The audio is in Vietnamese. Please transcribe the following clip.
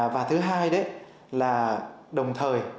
và thứ hai là đồng thời